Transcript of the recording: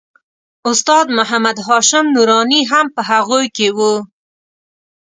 استاد محمد هاشم نوراني هم په هغوی کې و.